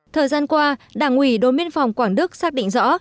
thời gian qua đảng ủy đồn biên phòng quảng đức xác định rõ